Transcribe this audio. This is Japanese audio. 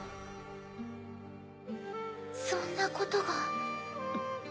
そんなことが。